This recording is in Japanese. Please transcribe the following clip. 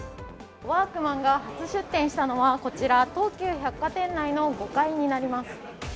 ワークマンが初出店したのはこちら、東急百貨店内の５階になります。